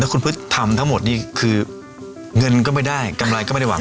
คุณพฤษทำทั้งหมดนี่คือเงินก็ไม่ได้กำไรก็ไม่ได้หวัง